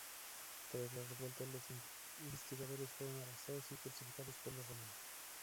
Tras las revueltas, los instigadores fueron arrestados y crucificados por los romanos.